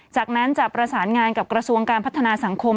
จากนั้นจะประสานงานกับกระทรวงการพัฒนาสังคม